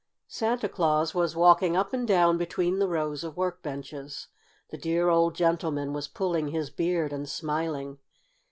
Santa Claus was walking up and down between the rows of work benches. The dear old gentleman was pulling his beard and smiling.